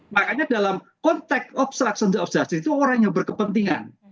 makanya dalam konteks obstruction of justice itu orang yang berkepentingan